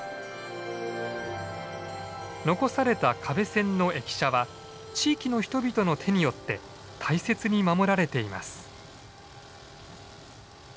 残された可部線の駅舎は地域の人々の手によって大切に守られています。